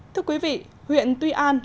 thưa quý vị huyện tuy an